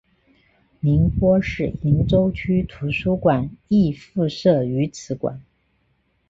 宁波市鄞州区图书馆亦附设于此馆。